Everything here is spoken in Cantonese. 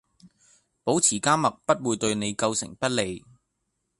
保持緘默不會對你構成不利